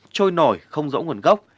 trôi nổi không rõ nguồn gốc